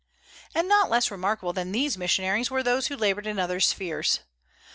] And not less remarkable than these missionaries were those who labored in other spheres.